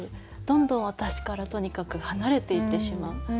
どんどん私からとにかく離れていってしまう。